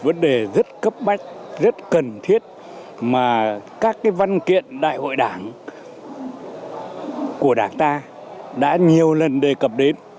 vấn đề rất cấp bách rất cần thiết mà các cái văn kiện đại hội đảng của đảng ta đã nhiều lần đề cập đến